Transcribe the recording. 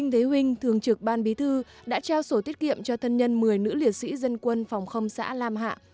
trường trực ban bí thư đã trao sổ tiết kiệm cho thân nhân một mươi nữ liệt sĩ dân quân phòng không xã lam hạ